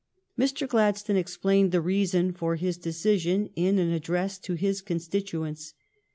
Mr. Gladstone explained the reason for his de cision in an address to his constituents.